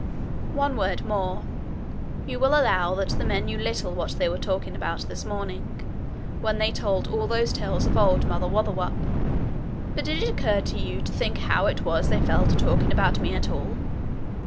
One word more: you will allow that the men knew little what they were talking about this morning, when they told all those tales of Old Mother Wotherwop; but did it occur to you to think how it was they fell to talking about me at all?